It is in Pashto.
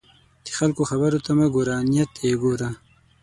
د خلکو خبرو ته مه ګوره، نیت ته یې وګوره.